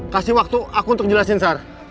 kasih waktu aku untuk jelasin sar